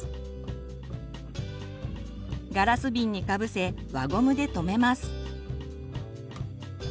ガラス瓶にかぶせ輪ゴムで留めます。